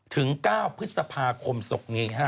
ถึง๙พฤษภาคมศกนี้